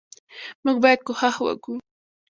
موږ باید کوښښ وکو